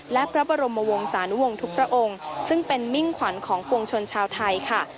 และพระบรมวงศานุวงศ์ทุกพระองค์ซึ่งเป็นมิ่งขวัญของปวงชนชาวไทยค่ะ